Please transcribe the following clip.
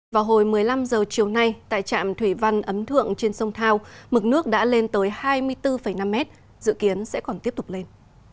vào hồi một mươi năm h chiều nay tại trạm thủy văn ấm thượng trên sông thao mực nước đã lên tới hai mươi bốn năm mét dự kiến sẽ còn tiếp tục lên